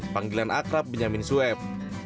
panggilan akrab benyamin sueb